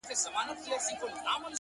o زلفي راټال سي گراني ،